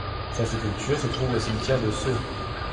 Sa sépulture se trouve au cimetière de Sceaux.